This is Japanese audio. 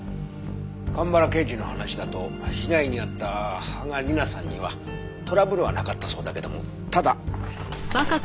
蒲原刑事の話だと被害に遭った芳賀理菜さんにはトラブルはなかったそうだけどもただ。